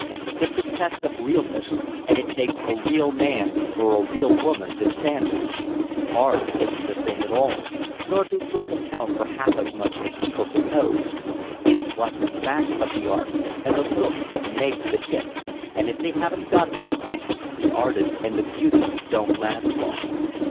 It's a test of real ness, and it takes a real man or a real woman to stand it. Art isn't the thing at all, nor do looks count for half as much as people suppose. It's what's back of the art and the looks that makes the hit, and if they haven't got something, the artist and the beauty don't last long.